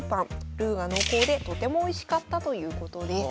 ルーが濃厚でとてもおいしかったということです。